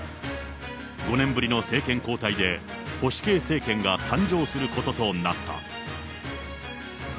５年ぶりの政権交代で、保守系政権が誕生することとなった。